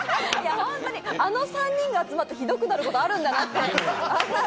あの３人が集まってひどくなることあるんだなって。